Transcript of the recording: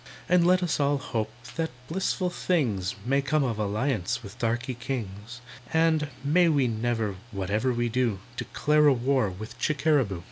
And let us all hope that blissful things May come of alliance with darky kings, And, may we never, whatever we do, Declare a war with Chickeraboo!